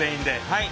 はい。